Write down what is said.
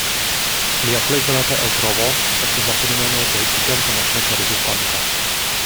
Lia plej konata eltrovo estas la fenomeno de Giganta Magneta Rezistanco.